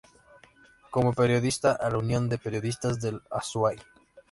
Como periodista, a la Unión de Periodistas del Azuay.